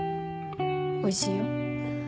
おいしいよ。